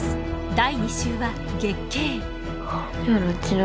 第２集は月経。